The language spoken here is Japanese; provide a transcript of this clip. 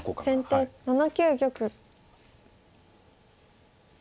先手７九玉。